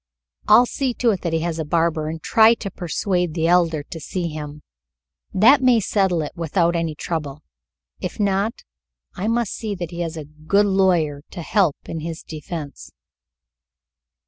"I'll see to it that he has a barber, and try to persuade the Elder to see him. That may settle it without any trouble. If not, I must see that he has a good lawyer to help in his defense."